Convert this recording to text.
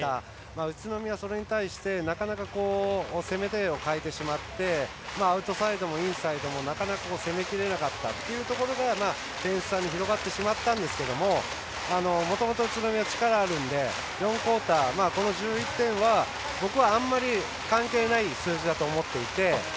宇都宮は、それに対してなかなか攻め手を変えてしまってアウトサイドもインサイドもなかなか攻めきれなかったということで点差に広がってしまったんですけどもともと宇都宮は力があるので４クオーター、１１点は僕、あまり関係ない数字だと思っていて。